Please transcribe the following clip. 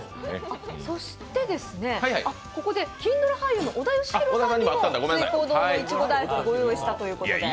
ここで、金ドラ俳優の小田芳裕さんにも翠江堂のいちご大福をご用意したということで。